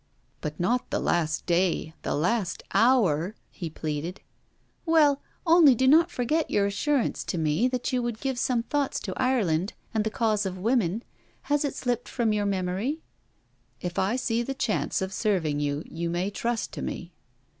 'But not the last day the last hour!' he pleaded. 'Well! only do not forget your assurance to me that you would give some thoughts to Ireland and the cause of women. Has it slipped from your memory?' 'If I see the chance of serving you, you may trust to me.'